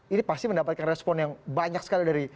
ini pasti mendapatkan respon yang banyak sekali dari